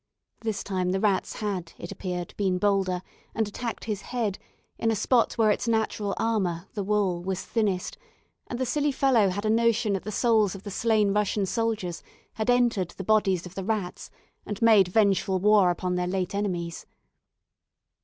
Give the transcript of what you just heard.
This time the rats had, it appeared, been bolder, and attacked his head, in a spot where its natural armour, the wool, was thinnest, and the silly fellow had a notion that the souls of the slain Russian soldiers had entered the bodies of the rats, and made vengeful war upon their late enemies.